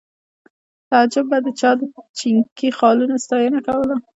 تعجب به د چا د شینکي خالونو ستاینه کوله